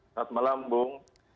selamat malam bung